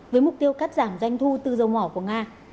với mục tiêu cắt giảm doanh thu từ dầu mỏ của nga